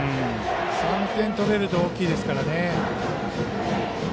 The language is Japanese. ３点取れると大きいですからね。